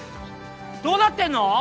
どうなってんの？